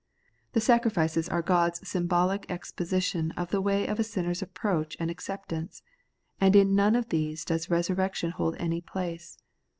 The sacrifices are God's symbolical exposition of the way of a sinner's approach and acceptance ; and in none of these does resurrection hold any place.